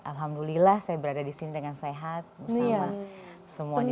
alhamdulillah saya berada di sini dengan sehat bersama semua di sini